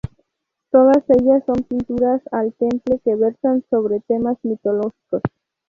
Todas ellas son pinturas al temple que versan sobre temas mitológicos.